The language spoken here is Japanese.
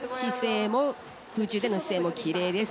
空中での姿勢もきれいです。